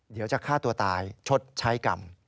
เดี๋ยวจะฆ่าตัวตายชดใช้กรรม